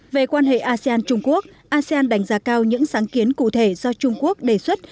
về quan hệ asean trung quốc asean đánh giá cao những sáng kiến cụ thể do trung quốc đề xuất